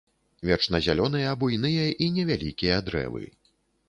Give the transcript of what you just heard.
Вечназялёныя буйныя і невялікія дрэвы.